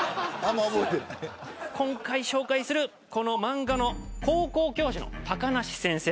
今回紹介するこの漫画の高校教師の高梨先生